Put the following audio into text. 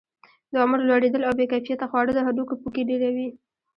د عمر لوړېدل او بې کیفیته خواړه د هډوکو پوکي ډیروي.